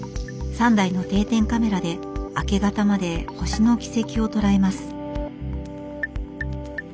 ３台の定点カメラで明け方まで星の軌跡を捉えます。